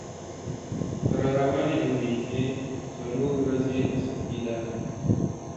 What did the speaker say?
په را روانې اوونۍ کې څلور ورځې رخصتي ده.